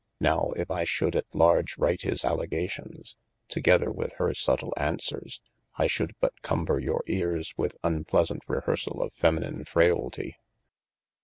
Nowe, if I should at large write his alligations, togither with hir subtile aunsweres, I shoulde but comber your eares with unpleasaunt rehearsall of feminine frayltye.